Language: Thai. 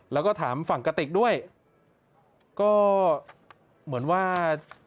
แล้วก็ถามฝั่งกะติกด้วยก็เหมือนว่า